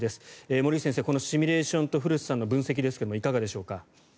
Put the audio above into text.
森内先生このシミュレーションと古瀬さんの分析ですがいかがでしょうか。